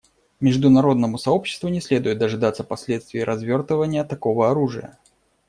Международному сообществу не следует дожидаться последствий развертывания такого оружия.